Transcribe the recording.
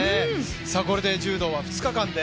これで柔道は２日間で？